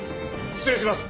失礼します！